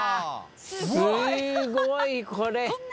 すごいこれ。